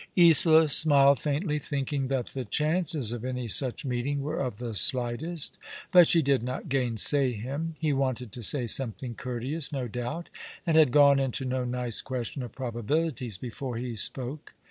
Isola smiled faintly, thinking that the chances of any such meetiDg were of the slightest ; but she did not gainsay him. He wanted to say something courteous no doubt, and had gone into no nice question of probabilities before he spoke.